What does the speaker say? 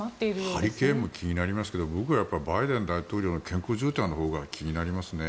ハリケーンも気になりますが僕はバイデン大統領の健康状態のほうが気になりますね。